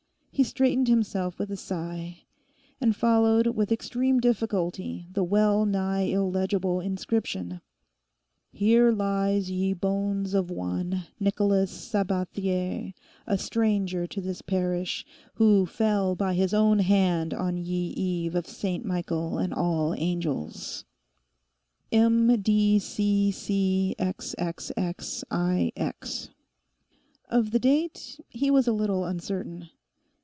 He straightened himself with a sigh, and followed with extreme difficulty the well nigh, illegible inscription: 'Here lie ye Bones of one, Nicholas Sabathier, a Stranger to this Parish, who fell by his own Hand on ye Eve of Ste. Michael and All Angels. MDCCXXXIX Of the date he was a little uncertain.